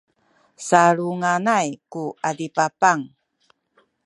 salunganay ku adipapang